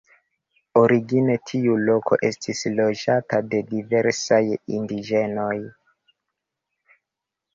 Origine tiu loko estis loĝata de diversaj indiĝenoj.